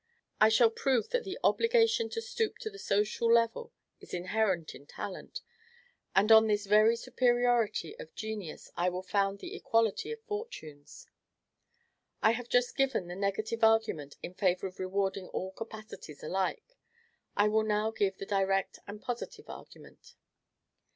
I shall prove that the obligation to stoop to the social level is inherent in talent; and on this very superiority of genius I will found the equality of fortunes. I have just given the negative argument in favor of rewarding all capacities alike; I will now give the direct and positive argument.